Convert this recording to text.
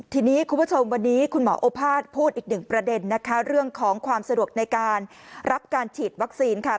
ทีนี้คุณผู้ชมวันนี้คุณหมอโอภาษย์พูดอีกหนึ่งประเด็นนะคะเรื่องของความสะดวกในการรับการฉีดวัคซีนค่ะ